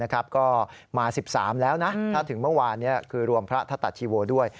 ก็มา๑๓แล้วนะถ้าถึงเมื่อวานคือรวมพระธตาชีโวด้วย